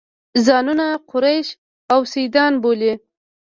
ځانونه قریش او سیدان بولي.